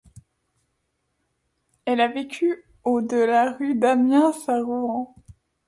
Elle a vécu au de la rue d'Amiens à Rouen.